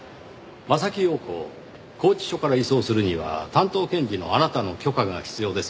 柾庸子を拘置所から移送するには担当検事のあなたの許可が必要ですよねぇ。